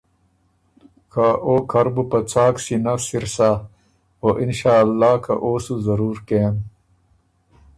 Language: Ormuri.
که ”او کر بُو په څاک سینۀ سِر سۀ او انشأللّه که او سُو ضرور کېم“